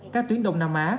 các tuyến đông nam á